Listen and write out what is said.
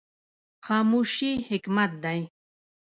خاموشي حکمت دی